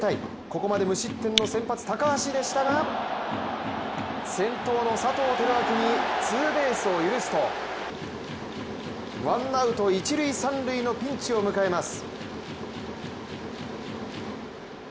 ここまで無失点の先発・高橋でしたが先頭の佐藤輝明にツーベースを許すとワンアウト、一・三塁のピンチを迎えます。